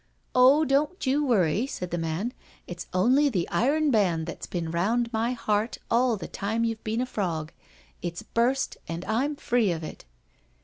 ' Oh, don*t you worry/ said the man, ' it's only the iron band that's been round my heart all the time you've been a frog — it's burst and I'm free of it.'